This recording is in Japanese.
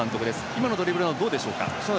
今のドリブルなどどうでしょうか？